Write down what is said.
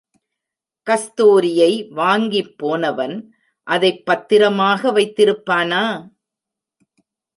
கஸ்தூரியை வாங்கிப்போனவன் அதைப் பத்திரமாக வைத்திருப்பானா?